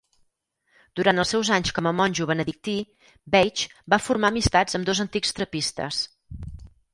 Durant els seus anys com a monjo benedictí, Veitch va formar amistats amb dos antics trapistes.